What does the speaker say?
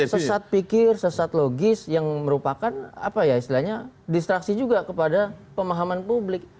sesat pikir sesat logis yang merupakan apa ya istilahnya distraksi juga kepada pemahaman publik